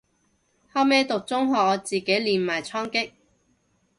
後尾讀中學我自己練埋倉頡